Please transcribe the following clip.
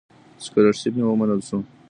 سکالرشیپ مې ومنل شو.